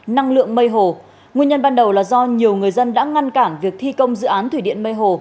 năng lượng mây hồ nguyên nhân ban đầu là do nhiều người dân đã ngăn cản việc thi công dự án thủy điện mê hồ